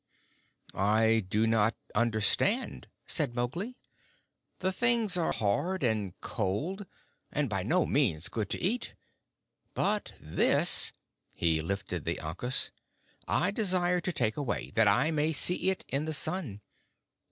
"I do not understand," said Mowgli. "The things are hard and cold, and by no means good to eat. But this" he lifted the ankus "I desire to take away, that I may see it in the sun.